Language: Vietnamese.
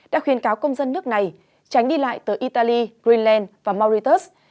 đã khuyên cáo công dân nước này tránh đi lại từ italy greenland và mauritius